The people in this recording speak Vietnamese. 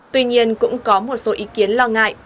tuy nhiên cũng có một số ý kiến lo ngại